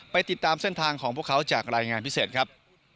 ติดตามเส้นทางของพวกเขาจากรายงานพิเศษครับ